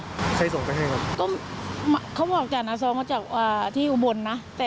เสาเขียงจากที่อุบลนะแต่ถามคนที่อุบลแล้วเขาบอกไม่ได้ส่ง